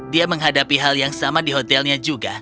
dia menghadapi hal yang sama di hotelnya juga